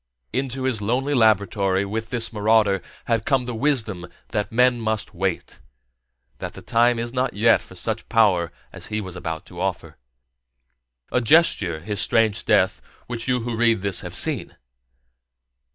Into his lonely laboratory, with this marauder, had come the wisdom that men must wait, that the time is not yet for such power as he was about to offer. A gesture, his strange death, which you who read this have seen?